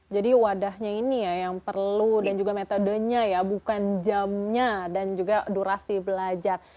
jadi wadahnya ini ya yang perlu dan juga metodenya ya bukan jamnya dan juga durasi belajar